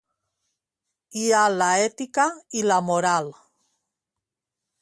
Hi ha la ètica i la moral.